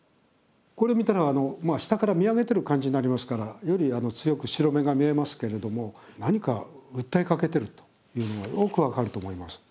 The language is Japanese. これ見たら下から見上げてる感じになりますからより強く白目が見えますけれども何か訴えかけてるというのがよく分かると思います。